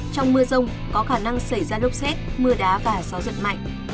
trong mưa rông có khả năng xảy ra lốc xét mưa đá và gió giật mạnh